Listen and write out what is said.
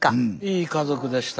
いい家族でした。